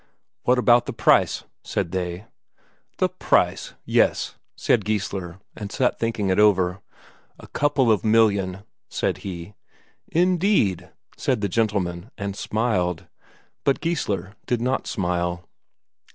"What about the price?" said they. "The price? yes," said Geissler, and sat thinking it over. "A couple of million," said he. "Indeed?" said the gentlemen, and smiled. But Geissler did not smile.